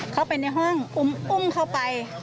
เข้าไปในห้องอุ้มเข้าไป